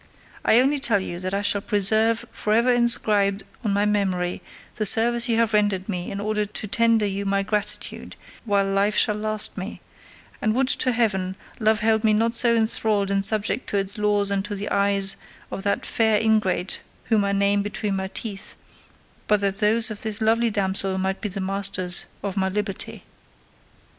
I only tell you that I shall preserve for ever inscribed on my memory the service you have rendered me in order to tender you my gratitude while life shall last me; and would to Heaven love held me not so enthralled and subject to its laws and to the eyes of that fair ingrate whom I name between my teeth, but that those of this lovely damsel might be the masters of my liberty."